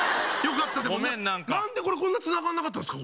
なんでこれこんなつながんなかったんですか？